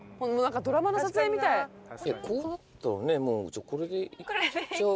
こうなったらねもうこれで行っちゃう？